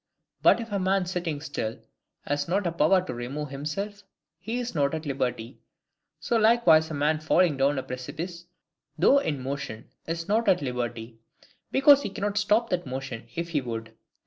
But if a man sitting still has not a power to remove himself, he is not at liberty; so likewise a man falling down a precipice, though in motion, is not at liberty, because he cannot stop that motion if he would.